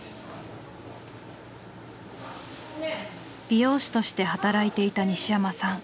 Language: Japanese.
美容師として働いていた西山さん。